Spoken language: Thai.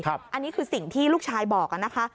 อันนี้คือสิ่งที่ลูกชายบอกนะคะ